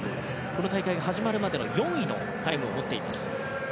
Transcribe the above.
この大会が始まるまで４位のタイムを持っています。